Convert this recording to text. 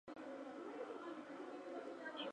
Lane High School".